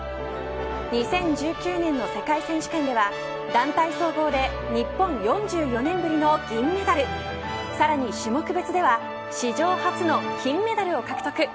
２０１９年の世界選手権では団体総合で日本４４年ぶりの銀メダルさらに種目別では史上初の金メダルを獲得。